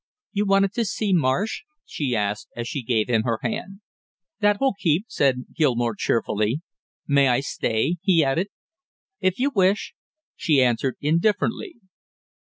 "You wanted to see Marsh?" she asked, as she gave him her hand. "That will keep," said Gilmore cheerfully. "May I stay?" he added. "If you wish," she answered indifferently.